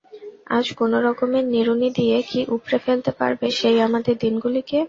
আজ কোনো রকমের নিড়ুনি দিয়ে কি উপড়ে ফেলতে পারবে সেই আমাদের দিনগুলিকে।